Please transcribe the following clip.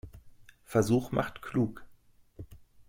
Versuch macht klug.